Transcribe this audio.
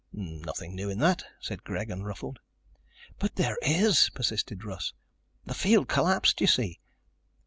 "Nothing new in that," said Greg, unruffled. "But there is," persisted Russ. "The field collapsed, you see.